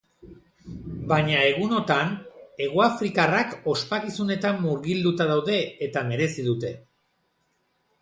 Baina egunotan, hegoafrikarrak ospakizunetan murgilduta daude, eta merezi dute.